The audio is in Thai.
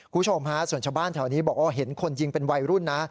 คุมชาวของพาสวนชาบ้านแถวเนี้ย์บอกว่าเห็นคนยิงเป็นวัยรุ่นน่ะ